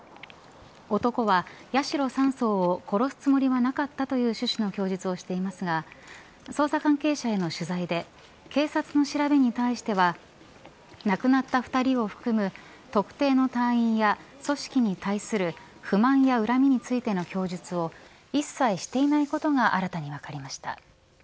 男は八代３曹を殺すつもりはなかったという趣旨の供述をしていますが捜査関係者への取材で警察の調べに対しては亡くなった２人を含む特定の隊員や組織に対する不満や恨みについての供述を一切していないことが新たに分かりました。